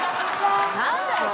何だよ⁉